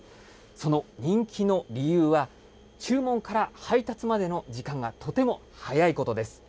その人気の理由は、注文から配達までの時間がとても速いことです。